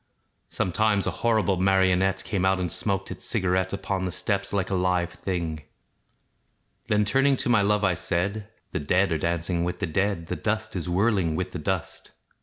Sometimes a horrible marionette Came out, and smaoked its cigarette Upon the steps like a live thing. Then, turning to my love, I said, "The dead are dancing with the dead, The dust is whirling with the dust."